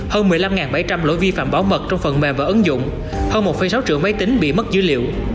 hơn một mươi năm bảy trăm linh lỗi vi phạm bảo mật trong phần mềm và ứng dụng hơn một sáu triệu máy tính bị mất dữ liệu